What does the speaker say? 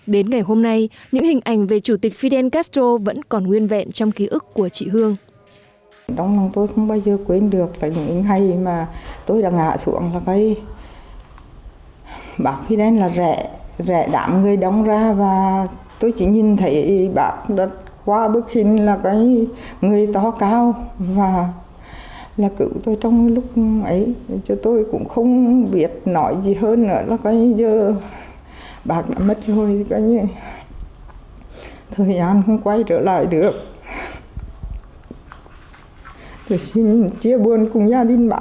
đến ngày hôm nay những hình ảnh về chủ tịch fidel castro vẫn còn nguyên vẹn trong ký ức của chị hương